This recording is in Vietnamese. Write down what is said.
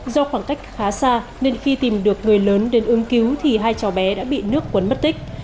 do khoảng cách khá xa nên khi tìm được người lớn đến ứng cứu thì hai cháu bé đã bị nước cuốn mất tích